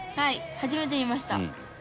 初めて見ました。